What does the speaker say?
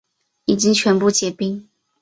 已经全部结冰